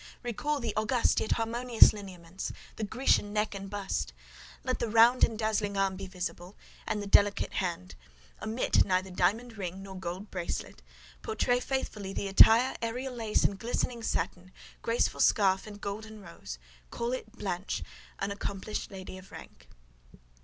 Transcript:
Recall the august yet harmonious lineaments, the Grecian neck and bust; let the round and dazzling arm be visible, and the delicate hand; omit neither diamond ring nor gold bracelet; portray faithfully the attire, aërial lace and glistening satin, graceful scarf and golden rose; call it 'Blanche, an accomplished lady of rank.